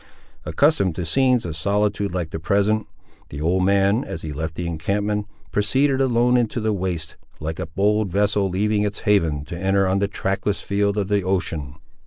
Accustomed to scenes of solitude like the present, the old man, as he left the encampment, proceeded alone into the waste, like a bold vessel leaving its haven to enter on the trackless field of the ocean.